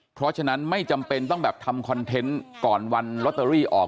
เพราะฉะนั้นไม่จำเป็นต้องแบบทำคอนเทนต์ก่อนวันลอตเตอรี่ออก